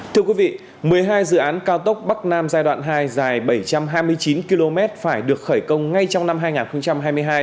thưa quý vị một mươi hai dự án cao tốc bắc nam giai đoạn hai dài bảy trăm hai mươi chín km phải được khởi công ngay trong năm hai nghìn hai mươi hai